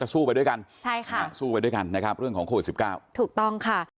สู้ไปด้วยกันนะครับเรื่องของโคตร๑๙ถูกต้องค่ะ